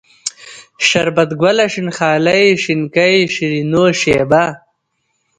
شربت گله ، شين خالۍ ، شينکۍ ، شيرينو ، شېبه